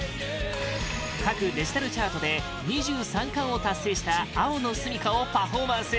各デジタルチャートで２３冠を達成した「青のすみか」をパフォーマンス！